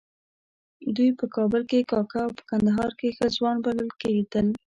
دوی په کابل کې کاکه او په کندهار کې ښه ځوان بلل کېدل.